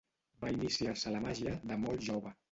Va iniciar-se a la màgia de molt jove.